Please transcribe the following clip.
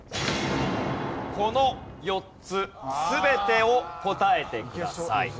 この４つ全てを答えてください。